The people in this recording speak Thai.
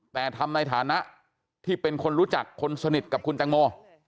แต่ทำในฐานะที่เป็นคนรู้จักคนสนิทกับคุณแตงโม